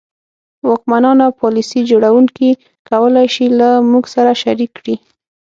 واکمنان او پالیسي جوړوونکي کولای شي له موږ سره شریک کړي.